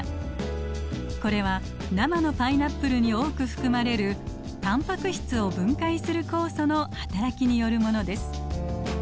これは生のパイナップルに多く含まれるタンパク質を分解する酵素のはたらきによるものです。